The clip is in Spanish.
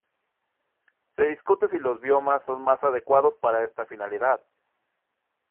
Se discute si los biomas son más adecuados para esta finalidad.